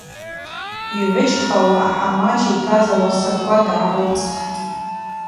Йгӏвыджьхауа ахӏамач йтаз ауасаква дгӏарылцӏхтӏ.